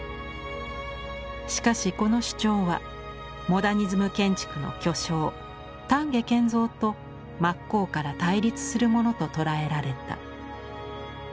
しかしこの主張はモダニズム建築の巨匠丹下健三と真っ向から対立するものと捉えられた。